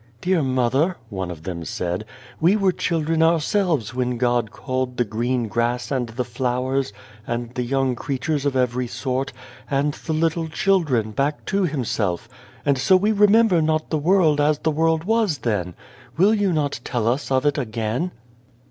" Dear mother," one of them said, " we were children ourselves when God called the green grass and the flowers and the young creatures of every sort, and the little children, back to Himself, and so we remember not the world as the world was then. Will you not tell us of it, again?"